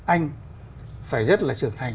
anh phải rất là trưởng thành